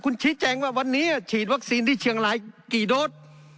คุณชี้แจงว่าวันนี้ฉีดวัคซีนที่เชียงรายกี่โดส